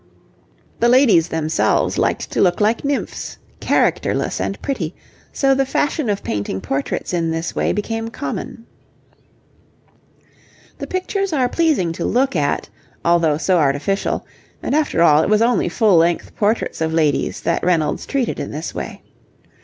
The ladies themselves liked to look like nymphs, characterless and pretty, so the fashion of painting portraits in this way became common. The pictures are pleasing to look at, although so artificial, and after all it was only full length portraits of ladies that Reynolds treated in this way.